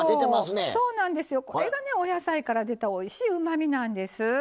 これが、お野菜から出たおいしいうまみなんです。